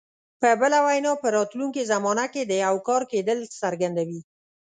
په بله وینا په راتلونکي زمانه کې د یو کار کېدل څرګندوي.